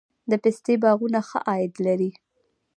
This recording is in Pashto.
د پستې باغونه ښه عاید لري؟